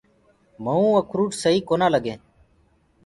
مؤُنٚ اکروٽ سئي ڪونآ لگينٚ۔